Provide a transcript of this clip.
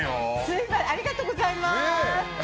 ありがとうございます！